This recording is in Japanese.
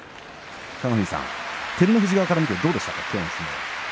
北の富士さん、照ノ富士側から見るとどうでした。